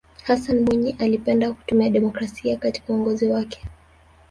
hassan mwinyi alipenda kutumia demokrasia katika uongozi wake